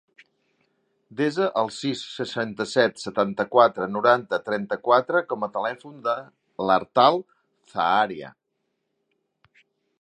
Desa el sis, seixanta-set, setanta-quatre, noranta, trenta-quatre com a telèfon de l'Artal Zaharia.